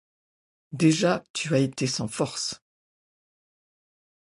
Déjà tu as été sans force.